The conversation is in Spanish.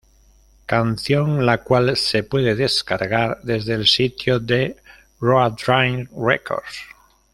Canción la cual se puede descargar desde el sitio de Roadrunner Records.